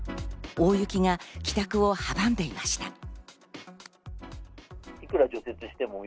大雪が帰宅を阻んでいました。